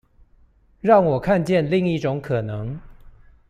讓我看見另一種可能